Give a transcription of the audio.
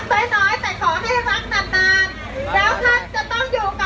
แล้วท่านจะต้องอยู่กับเราตลอดบ้าง